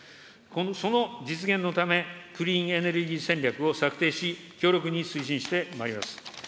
その実現のため、クリーンエネルギー戦略を策定し、強力に推進してまいります。